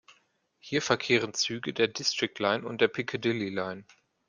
Hier verkehren Züge der District Line und der Piccadilly Line.